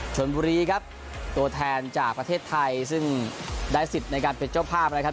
ชนบุรีครับตัวแทนจากประเทศไทยซึ่งได้สิทธิ์ในการเป็นเจ้าภาพนะครับ